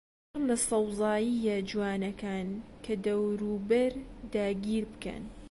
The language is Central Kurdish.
پڕ لە سەوزاییە جوانەکان کە دەوروبەر داگیربکەن